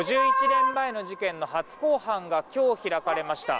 ５１年前の事件の初公判が今日開かれました。